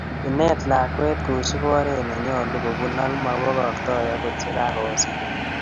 Ineet lakwet koosup oret ne nyolu kobun, ak ma pagaaktoi akot ye kagoosit